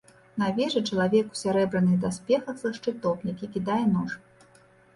На вежы чалавек у сярэбраных даспехах са шчытом, які кідае нож.